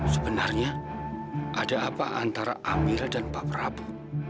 sebenarnya ada apa antara amira dan pak prabu